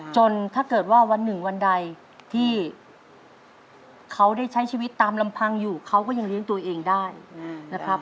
ถ้าเกิดว่าวันหนึ่งวันใดที่เขาได้ใช้ชีวิตตามลำพังอยู่เขาก็ยังเลี้ยงตัวเองได้นะครับ